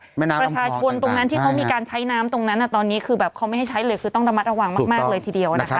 แม่น้ำประชาชนตรงนั้นที่เขามีการใช้น้ำตรงนั้นตอนนี้คือแบบเขาไม่ให้ใช้เลยคือต้องระมัดระวังมากเลยทีเดียวนะคะ